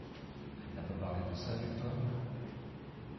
Elle n'a pas pas parlé de ça avec toi ?